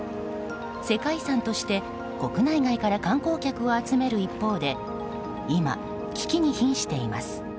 世界遺産として国内外から観光客を集める一方で今、危機に瀕しています。